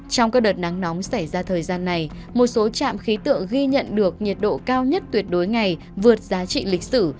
trong các đợt nắng nóng xảy ra thời gian này một số trạm khí tượng ghi nhận được nhiệt độ cao nhất tuyệt đối ngày vượt giá trị lịch sử